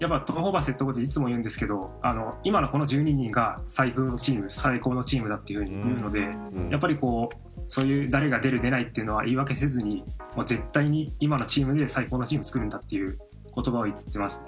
トム・ホーバスヘッドコーチはいつも言うんですが今のこの１２人が最高のチームだというのでやっぱり誰が出る出ないというのは言い訳せずに絶対に今のチームで最高のチームを作るんだということを言ってますね。